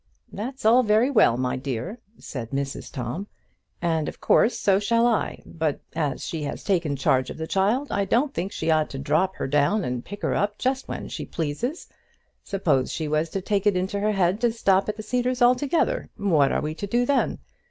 "That's all very well, my dear," said Mrs Tom, "and of course so shall I. But as she has taken the charge of the child I don't think she ought to drop her down and pick her up just whenever she pleases. Suppose she was to take it into her head to stop at the Cedars altogether, what are we to do then?